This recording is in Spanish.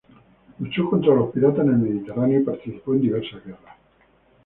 Luchó contra los piratas en el Mediterráneo y participó en diversas guerras.